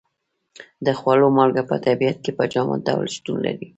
د خوړو مالګه په طبیعت کې په جامد ډول شتون لري.